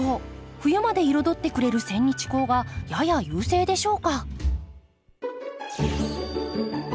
冬まで彩ってくれるセンニチコウがやや優勢でしょうか。